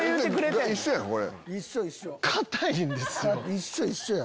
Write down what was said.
一緒一緒や。